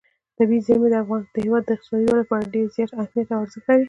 طبیعي زیرمې د هېواد د اقتصادي ودې لپاره ډېر زیات اهمیت او ارزښت لري.